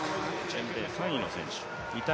全米３位の選手。